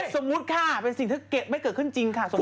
สมมุติค่ะเป็นสิ่งที่ไม่เกิดขึ้นจริงค่ะ